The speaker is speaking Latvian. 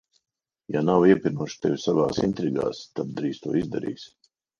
Ja nav iepinuši tevi savās intrigās, tad drīz to izdarīs.